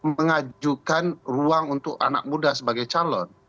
mengajukan ruang untuk anak muda sebagai calon